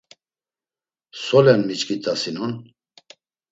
Solen miçkit̆asinon?